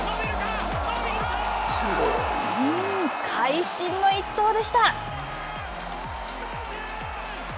会心の一投でした。